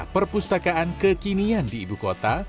perpustakaan umum daerah provinsi dki jakarta